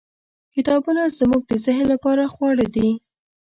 . کتابونه زموږ د ذهن لپاره خواړه دي.